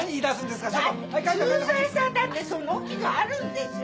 駐在さんだってその気があるんでしょ。